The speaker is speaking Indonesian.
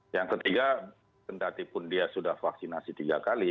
yang ketiga tentu pun dia sudah vaksinasi tiga kali